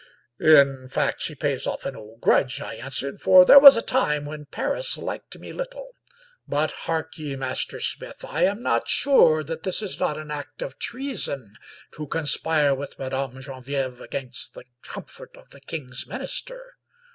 In fact she pays oflF an old grudge," I answered, " for there was a time when Paris liked me little; but hark ye, master smith, I am not sure that this is not an act of treason to conspire with Madame Genevieve against the comfort of the king's minister.